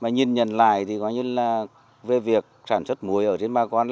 nhìn nhận lại về việc sản xuất muối ở trên bà con